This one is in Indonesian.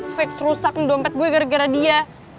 fix rusak dompet gue gara gara dia